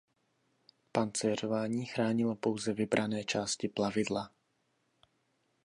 Pancéřování chránilo pouze vybrané části plavidla.